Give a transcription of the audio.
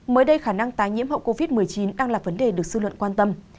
mới đây khả năng tái nhiễm hậu covid một mươi chín đang là vấn đề được sư luận quan tâm